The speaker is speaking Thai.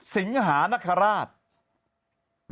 สิงหานักฆราช